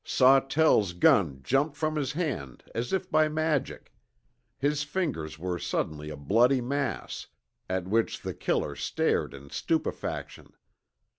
Sawtell's gun jumped from his hand as if by magic. His fingers were suddenly a bloody mass, at which the killer stared in stupefaction.